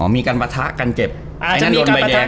อ๋อมีการประทะกันเจ็บอาจจะมีการประทะกัน